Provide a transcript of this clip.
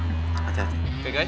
gimana udah enakan gak lo